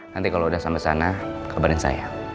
nanti kalau udah sampai sana kabarin saya